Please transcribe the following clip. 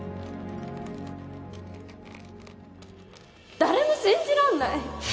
誰も信じられない！